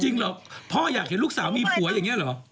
เหรอพ่ออยากเห็นลูกสาวมีผัวอย่างนี้เหรอ